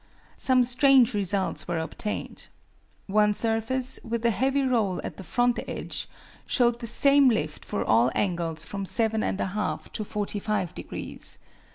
Some strange results were obtained. One surface, with a heavy roll at the front edge, showed the same lift for all angles from 7 1/2 to 45 degrees.